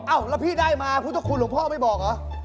แล้วพี่ได้มาพุทธคุณหลวงพ่อไม่บอกเหรอ